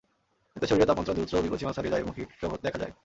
এতে শরীরের তাপমাত্রা দ্রুত বিপৎসীমা ছাড়িয়ে যায় এবং হিট স্ট্রোক দেখা দেয়।